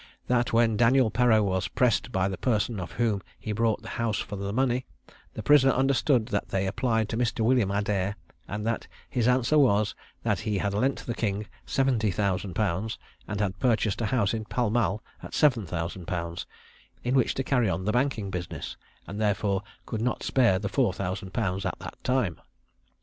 That when Daniel Perreau was pressed by the person of whom he bought the house for the money, the prisoner understood that they applied to Mr. William Adair, and that his answer was, that he had lent the king seventy thousand pounds, and had purchased a house in Pall Mall at seven thousand pounds, in which to carry on the banking business, and therefore could not spare the four thousand pounds at that time.